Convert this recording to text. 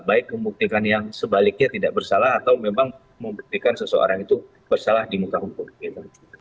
baik membuktikan yang sebaliknya tidak bersalah atau memang membuktikan seseorang itu bersalah di muka hukum gitu